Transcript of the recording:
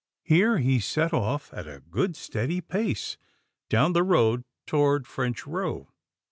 Here he set off at a good steady pace down the road toward French Row.